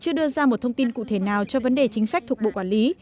chưa đưa ra một thông tin cụ thể nào cho vấn đề chính sách thuộc bộ quản lý